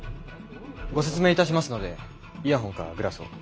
ご説明いたしますのでイヤホンかグラスを。